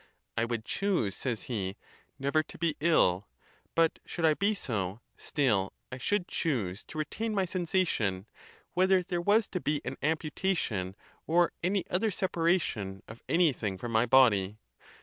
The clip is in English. "I would choose," says he, "never to be ill; but should I be so, still I should choose to retain my sensa tion, whether there was to be an amputation or any other separation of anything from my body.